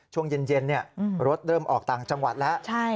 ช่วงเย็นรถเริ่มออกต่างจังหวัดแล้ว